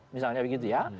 misalnya begitu ya